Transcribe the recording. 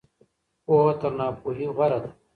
پوهه تر ناپوهۍ غوره ده.